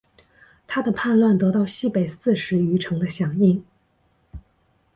他的叛乱得到西北四十余城的响应。